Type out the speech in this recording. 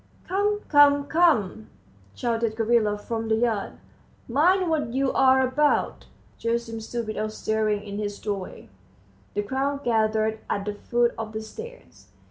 "Come, come, come," shouted Gavrila from the yard, "mind what you're about." Gerasim stood without stirring in his doorway. The crowd gathered at the foot of the stairs.